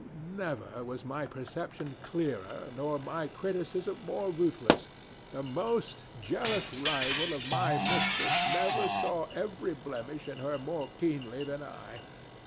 never was my perception clearer, nor my criticism more ruthless. The most jealous rival of my mistress never saw every blemish in her more keenly than I.